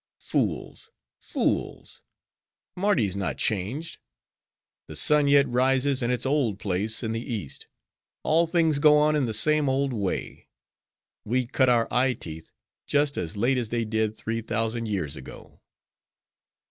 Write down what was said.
Fools, fools! Mardi's not changed: the sun yet rises in its old place in the East; all things go on in the same old way; we cut our eye teeth just as late as they did, three thousand years ago."